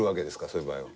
そういう場合は。